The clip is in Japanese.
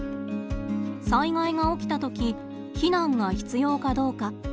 災害が起きたとき避難が必要かどうか。